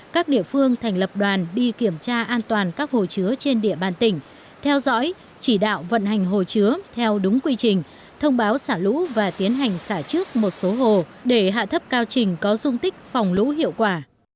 các địa phương thành lập đoàn đi kiểm tra an toàn các hồ chứa trên địa bàn tỉnh theo dõi chỉ đạo vận hành hồ chứa theo đúng quy trình thông báo xả lũ và tiến hành xả trước một số hồ để hạ thấp cao trình có dung tích phòng lũ hiệu quả